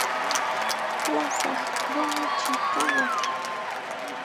Lasaq rumichi kanaq.